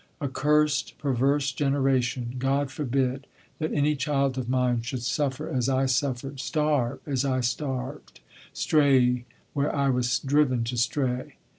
Accursed, perverse generation! God forbid that any child of mine should suffer as I suffered, starve as I starved, stray where I was driven to stray.